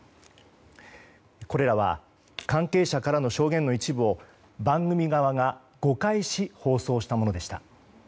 これらは関係者からの証言の一部を番組側が誤解し放送したものでした。